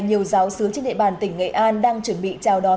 nhiều giáo sứ trên địa bàn tỉnh nghệ an đang chuẩn bị chào đón